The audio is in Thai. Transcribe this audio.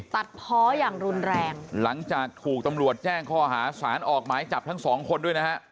ตัดเพาะอย่างรุนแรงหลังจากถูกตำรวจแจ้งข้อหาสารออกหมายจับทั้งสองคนด้วยนะฮะ